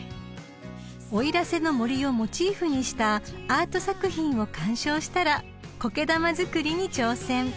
［奥入瀬の森をモチーフにしたアート作品を鑑賞したらこけ玉作りに挑戦］